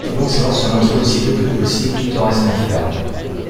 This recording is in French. Il faut donc savoir se montrer aussi doux que possible tout en restant ferme.